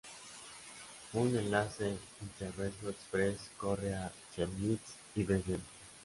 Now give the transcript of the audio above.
Un enlace Interregio-Express corre a Chemnitz y Dresden.